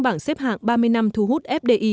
bảng xếp hạng ba mươi năm thu hút fdi